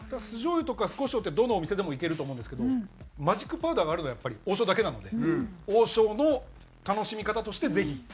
酢醤油とか酢コショウってどのお店でもいけると思うんですけどマジックパウダーがあるのはやっぱり王将だけなので王将の楽しみ方としてぜひ。